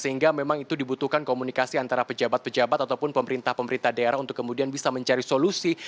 sehingga memang itu dibutuhkan komunikasi antara pejabat pejabat ataupun pemerintah pemerintah daerah untuk kemudian bisa mencari solusi